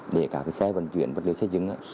để các xe vận chuyển vật liệu xây dựng